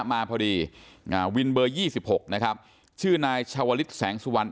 มาพอดีวินเบอร์๒๖นะครับชื่อนายชาวลิศแสงสุวรรณ